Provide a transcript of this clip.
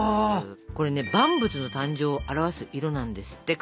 これね「万物の誕生」を表す色なんですって韓国では。